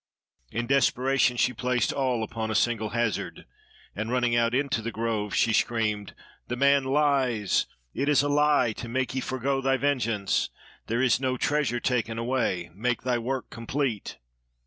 In desperation she placed all upon a single hazard, and, running out into the Grove she screamed: "The man lies! It is a lie, to make ye forego thy vengeance. There is no treasure taken away. Make thy work complete!"